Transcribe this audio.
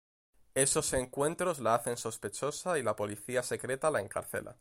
Esos encuentros la hacen sospechosa y la policía secreta la encarcela.